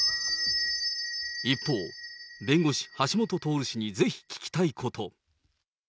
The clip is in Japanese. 一方、弁護士、橋下徹氏にぜひ聞きたいこと。